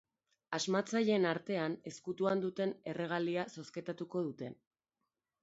Asmatzaileen artean ezkutuan duten erregalia zozketatuko dute.